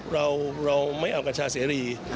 เราไม่เอากัญชาเสรี